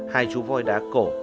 hai chú voi đá cổ